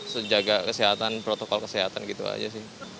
sejaga kesehatan protokol kesehatan gitu aja sih